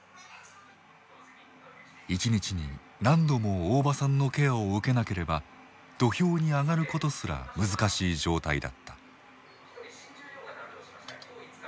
一日に何度も大庭さんのケアを受けなければ土俵に上がることすら難しい状態だった。